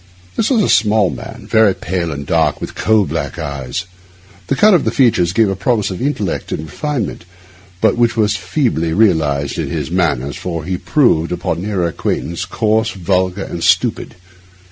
This was a small man, very pale and dark, with coal black eyes. The cut of his features gave a promise of intellect and refinement which was but feebly realised in his manners, for he proved, upon a nearer acquaintance, coarse, vulgar, and stupid.